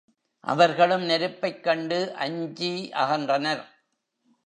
அவர்களும் நெருப்பைக் கண்டு அஞ்சி அகன்றனர்.